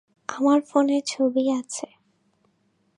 আমার ফোনে ছবি আছে।